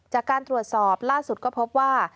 จากการตรวจสอบล่าสุดก็พบว่า